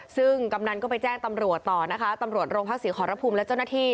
ซึ่งกำนันก็ไปแจ้งตำรวจต่อนะคะตำรวจโรงพักศรีขอรภูมิและเจ้าหน้าที่